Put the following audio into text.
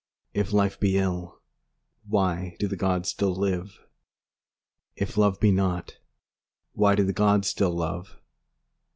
If life be ill, Why do the gods still live? If love be naught, 5 Why do the gods still love?